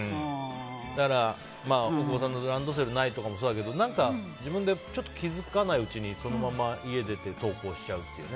だから、大久保さんのランドセルないとかもそうだけど自分で気づかないうちにそのまま家出て登校しちゃうという。